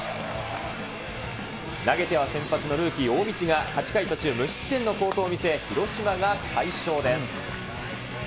投げては先発のルーキー、大道が８回途中、無失点の好投を見せ、広島が快勝です。